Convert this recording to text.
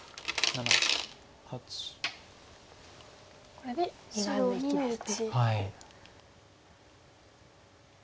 これで２眼で生きですね。